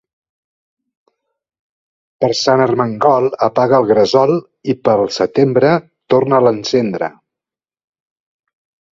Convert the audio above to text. Per Sant Ermengol apaga el gresol i pel setembre torna'l a encendre.